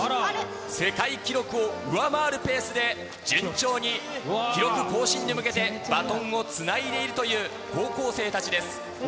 世界記録を上回るペースで順調に記録更新に向けてバトンをつないでいるという高校生たちです。